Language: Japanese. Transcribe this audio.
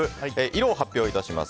色を発表します。